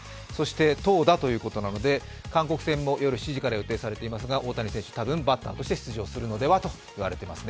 投打ということなので、韓国戦も夜７時から予定されていますが、大谷選手、多分バッターとして出場するのではと言われています。